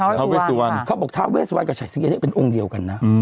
เท้าเวชสุวรรณค่ะเขาบอกเท้าเวชสุวรรณกับไข่สิงเอี๊ยะเนี่ยเป็นองค์เดียวกันนะ